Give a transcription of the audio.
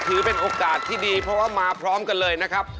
ถือเป็นโอกาสที่ดีเพราะว่ามาพร้อมกันเลยนะครับ